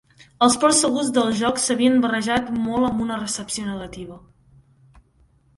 Els ports segurs del joc s'havien barrejat molt amb una recepció negativa.